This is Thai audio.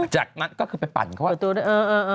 จากนั้นก็คือไปปั่นเขาว่า